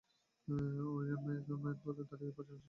When mayor পদে দাঁড়িয়ে প্রচারণা চালাচ্ছিলেন তখন।